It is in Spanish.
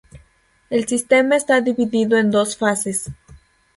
El sistema está dividido en dos fases.